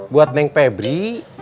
buat neng pebri